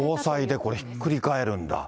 高裁でこれ、ひっくり返るんだ。